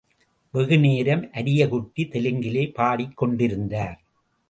வெகு நேரம் அரியக்குடி தெலுங்கிலே பாடிக் கொண்டிருந்தார்.